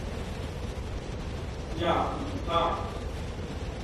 Ja, guten Tag!